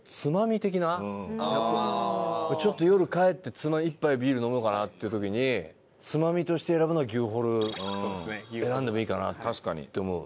ちょっと夜帰って１杯ビール飲もうかなっていう時につまみとして選ぶのは牛ホル選んでもいいかなって思う。